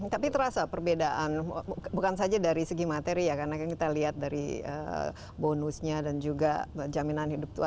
tapi terasa perbedaan bukan saja dari segi materi ya karena kita lihat dari bonusnya dan juga jaminan hidup tua